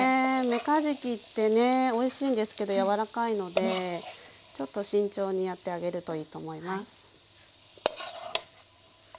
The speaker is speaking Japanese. めかじきってねおいしいんですけど柔らかいのでちょっと慎重にやってあげるといいと思います。